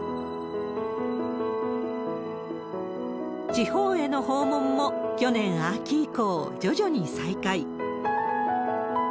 地方への訪問も去年秋以降、徐々に再開。